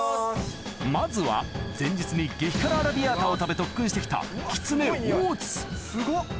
まずは前日に激辛アラビアータを食べ特訓してきたすごっ。